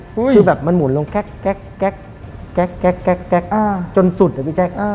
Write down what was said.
คือแบบมันหมุนลงแก๊กจนสุดอะพี่แจ๊ค